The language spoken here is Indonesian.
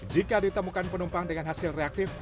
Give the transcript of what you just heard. jika ditemukan penumpang dengan hasil reaktif